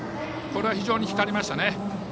これは非常に光りましたね。